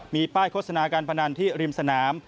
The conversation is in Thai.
มีป้ายโฆษณาการพนันที่ริมสนาม